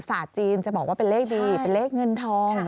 ศาสตร์จีนจะบอกว่าเป็นเลขดีเป็นเลขเงินทอง